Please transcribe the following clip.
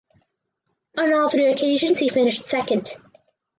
On all three occasions he finished second.